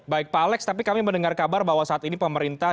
baik pak alex tapi kami mendengar kabar bahwa saat ini pemerintah